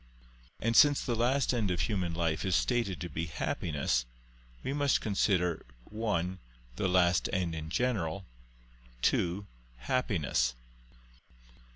And since the last end of human life is stated to be happiness, we must consider (1) the last end in general; (2) happiness.